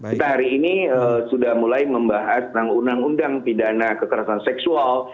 kita hari ini sudah mulai membahas tentang undang undang pidana kekerasan seksual